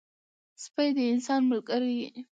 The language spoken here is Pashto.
سپي د انسان ملګری وي.